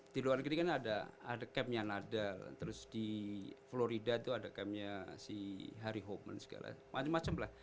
di luar negeri kan ada campnya nada terus di florida itu ada campnya si harry hopeman segala macam macam lah